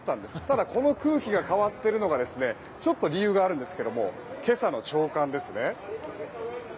ただこの空気が変わっているのがちょっと理由があるんですけども今朝の朝刊ですね。